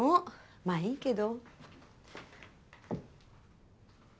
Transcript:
まあ良いけど。